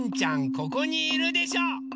ここにいるでしょ！